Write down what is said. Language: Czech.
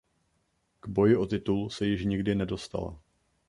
K boji o titul se již nikdy nedostala.